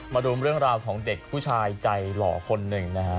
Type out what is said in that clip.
มาดูเรื่องราวของเด็กผู้ชายใจหล่อคนหนึ่งนะฮะ